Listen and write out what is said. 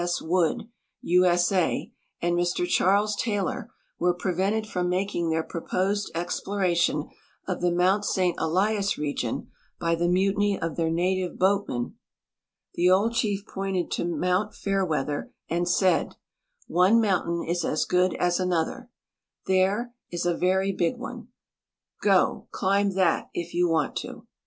S. Wood, U. S. A., and Mr Charles J'aylor were ]»revented from making their pro|)ose(l ex ploration of the mount St. Flias region by the mutiny of their 10 142 THE DISCOVERY OF GLACIER BAY, ALASKA native boatmen, the old chief pointed to mount Fairweather and said :" One mountain is as good as another. There, is a very big one. Go, climb that, if }'OU want to."